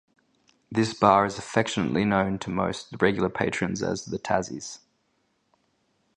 This bar is affectionately known to most regular patrons as "The Tassies".